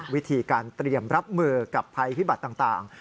วิธีการเตรียมรับมือกับภัยพิบัติต่าง